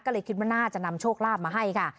ก็เลยคิดว่าน่าจะนำโชคลาภมาให้ค่ะ